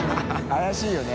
怪しいよね。